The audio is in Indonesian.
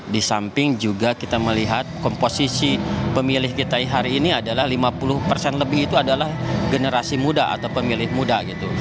di samping juga kita melihat komposisi pemilih kita hari ini adalah lima puluh persen lebih itu adalah generasi muda atau pemilih muda gitu